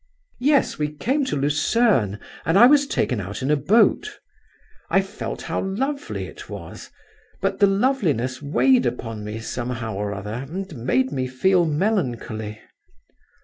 "Yes. We came to Lucerne, and I was taken out in a boat. I felt how lovely it was, but the loveliness weighed upon me somehow or other, and made me feel melancholy."